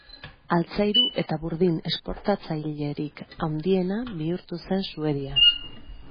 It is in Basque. Altzairu eta burdin esportatzailerik handiena bihurtu zen Suedia.